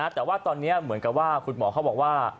แต่ว่าตอนนี้เหมือนกับว่าคุณหมอเขาบอกว่า